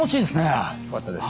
あっよかったです。